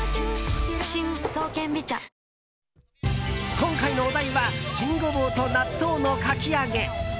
今回のお題は新ゴボウと納豆のかき揚げ。